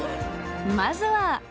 まずは］